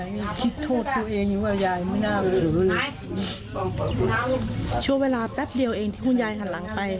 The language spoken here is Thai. มันได้ยินในหลานร้องก็เลยวิ่งกลับมา